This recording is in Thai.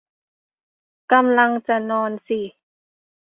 กำลังจะนอนสิ